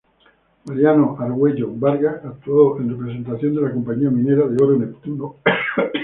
Mariano Argüello Vargas, actuó en representación de la Compañía Minera de Oro Neptuno.